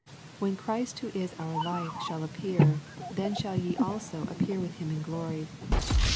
" When Christ, who is our life, shall appear^ then shall ye also appear with him in glory."